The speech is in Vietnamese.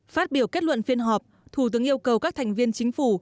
phát biểu kết luận phiên họp thủ tướng yêu cầu các thành viên chính phủ